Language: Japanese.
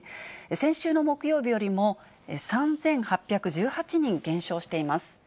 先週の木曜日よりも３８１８人減少しています。